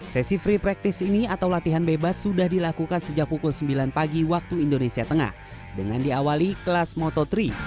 sesi free practice ini atau latihan bebas sudah dilakukan sejak pukul sembilan pagi waktu indonesia tengah dengan diawali kelas moto tiga